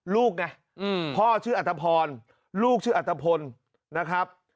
ลูกไงพ่อชื่ออัตภพรลูกชื่ออัตภพลนะครับ